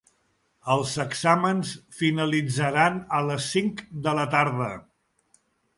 Els exàmens finalitzaran a les cinc de la tarda.